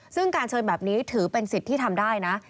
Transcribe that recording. ซึ่งการเชิญแบบนี้ถือเป็นสิทธิ์ที่ทำได้นะ